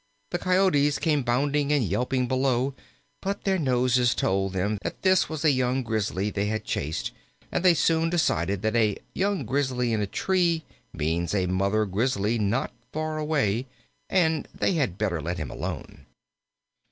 The Coyotes came bounding and yelping below, but their noses told them that this was a young Grizzly they had chased, and they soon decided that a young Grizzly in a tree means a Mother Grizzly not far away, and they had better let him alone.